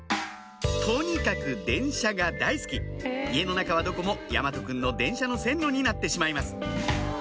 とにかく電車が大好き家の中はどこも大和くんの電車の線路になってしまいます